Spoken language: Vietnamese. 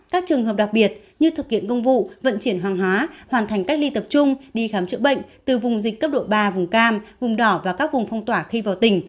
các trường hợp đặc biệt như thực hiện công vụ vận chuyển hàng hóa hoàn thành cách ly tập trung đi khám chữa bệnh từ vùng dịch cấp độ ba vùng cam vùng đỏ và các vùng phong tỏa khi vào tỉnh